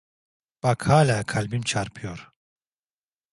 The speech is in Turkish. Bak, hala kalbim çarpıyor…